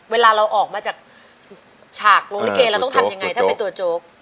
เวลาเราออกมาจากฉากลงลิเกเราต้องทำยังไงถ้าเป็นตัวโจ๊ก